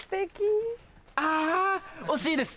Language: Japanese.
あ惜しいです！